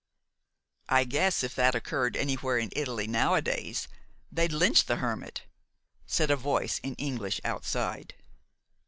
"I guess if that occurred anywhere in Italy nowadays, they'd lynch the hermit," said a voice in English outside.